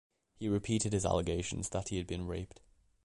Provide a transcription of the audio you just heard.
He repeated his allegation that he had been raped.